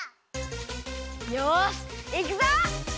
よしいくぞ！